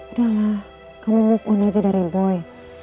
udahlah kamu move on aja dari boy